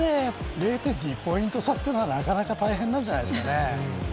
打率で０．２ポイント差というのはなかなか大変じゃないですかね。